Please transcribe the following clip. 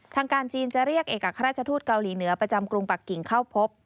ทางการจีนจะเรียกเอกราชทูตเกาหลีเหนือประจำกรุงปักกิ่งเข้าพบ